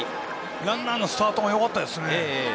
ランナーのスタートがよかったですね。